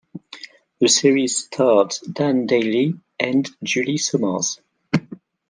The series starred Dan Dailey and Julie Sommars.